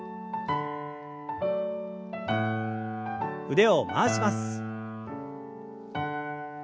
腕を回します。